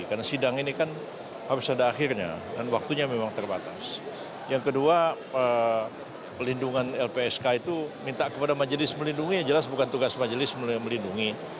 karena sidang ini kan harus ada akhirnya dan waktunya memang terbatas yang kedua pelindungan lpsk itu minta kepada majelis melindungi ya jelas bukan tugas majelis melindungi